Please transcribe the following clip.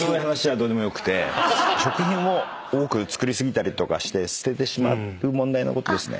食品を多く作り過ぎたりとかして捨ててしまう問題のことですね。